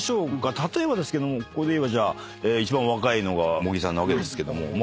例えばですけどもここでいえば一番若いのが茂木さんなわけですけども。